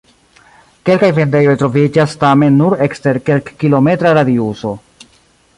Kelkaj vendejoj troviĝas, tamen nur ekster kelkkilometra radiuso.